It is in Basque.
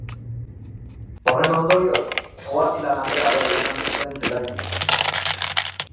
Horren ondorioz, ohatilan atera behar izan zuten zelaitik.